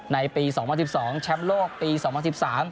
ในปี๒๐๑๒แชมป์โลกปี๒๐๑๓